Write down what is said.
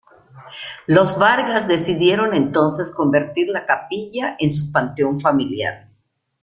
Los Vargas decidieron entonces convertir la capilla en su panteón familiar.